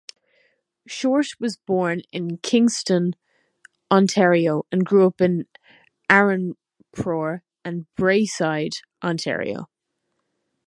Short was born in Kingston, Ontario and grew up in Arnprior and Braeside, Ontario.